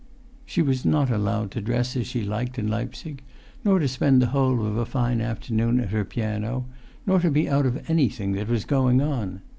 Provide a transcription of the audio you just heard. She was not allowed to dress as she liked in Leipzig, nor to spend the whole of a fine afternoon at her piano, nor to be out of anything that was going on.